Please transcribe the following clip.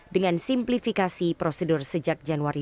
dengan simplifikasi prosedur sejak januari dua ribu dua puluh